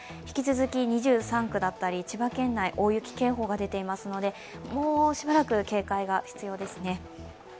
引き続き２３区だったり千葉県内、大雪警報が出ていますのでもうしばらく警戒が必要ですね。